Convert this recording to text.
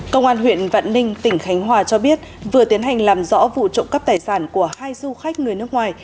công an huyện vạn ninh tỉnh khánh hòa cho biết vừa tiến hành làm rõ vụ trộm cắp tài sản của hai du khách người nước ngoài